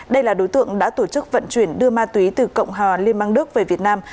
đây là đối tượng đã tổ chức vận chuyển đưa ma túy từ cộng hòa liên bang đức về việt nam